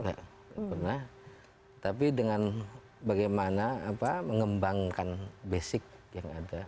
tidak pernah tapi dengan bagaimana mengembangkan basic yang ada